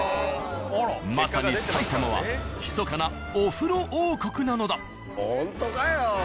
まさに埼玉はひそかなお風呂王国なのだ。